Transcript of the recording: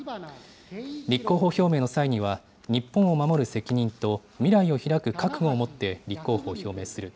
立候補表明の際には、日本を守る責任と未来をひらく覚悟をもって立候補を表明する。